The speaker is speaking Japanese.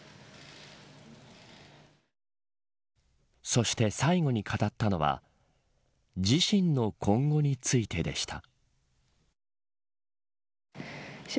そして最後に語ったのは自身の今後についてでした。